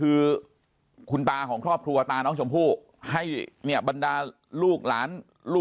แล้วไปปล่อยทิ้งเอาไว้จนเด็กเนี่ย